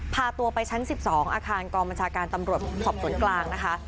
พาตัวไปชั้น๑๒อาคารกองบัญชาการตำรวจสอบสวนกลางนะคะ